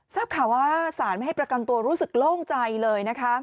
ทราบข่าวว่าสารไม่ให้ประกันตัวรู้สึกโล่งใจเลยนะคะ